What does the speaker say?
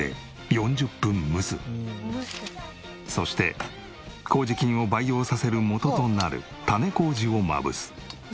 そして麹菌を培養させる元となる種麹をまぶす。